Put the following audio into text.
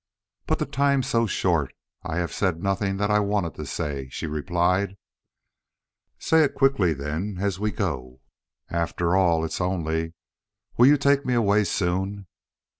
"But the time's so short. I have said nothing that I wanted to say," she replied. "Say it quickly, then, as we go." "After all, it's only will you take me away soon?"